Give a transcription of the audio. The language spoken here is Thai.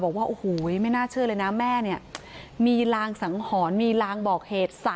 บอกว่าโอ้โหไม่น่าเชื่อเลยนะแม่เนี่ยมีรางสังหรณ์มีลางบอกเหตุ